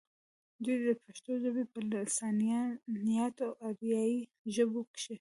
دوي د پښتو ژبې پۀ لسانياتو او اريائي ژبو کښې